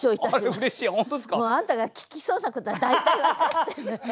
もうあんたが聞きそうなことは大体分かってるのよ。